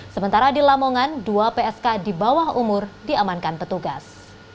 sementara di lamongan dua psk di bawah umur diamankan petugas